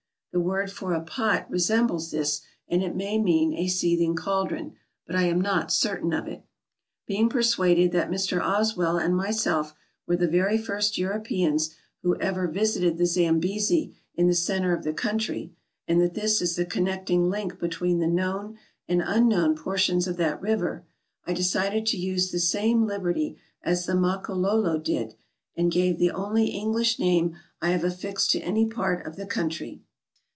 The word for a " pot " resembles this, and it may mean a seething caldron, but I am not certain of it. Being per suaded that Mr. Oswell and myself were the very first Europeans who ever visited the Zambesi in the center of the country, and that this is the connecting link between the known and unknown portions of that river, I decided to use the same liberty as the Makololo did, and gave the only English name I have affixed to any part of the country.